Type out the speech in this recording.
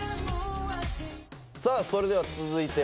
さあそれでは続いて。